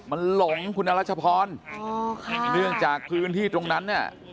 มันหลงคุณรัชพรเนื่องจากพื้นที่ตรงนั้น